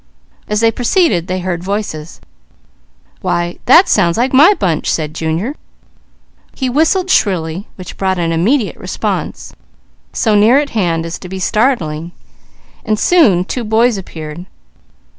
As they proceeded they heard voices. "Why that sounds like my bunch," said Junior. He whistled shrilly, which brought an immediate response, and soon two boys appeared.